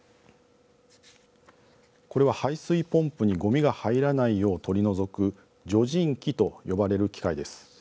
これは排水ポンプにごみが入らないよう取り除く除塵機と呼ばれる機械です。